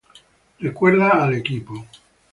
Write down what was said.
Recuerda al equipo.